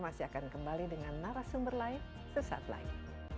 masih akan kembali dengan narasumber lain sesaat lagi